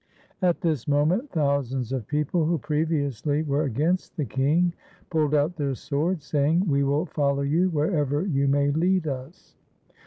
At this moment thousands of people who previously were against the king, pulled out their swords, saying, "We will follow you wherever you may lead us.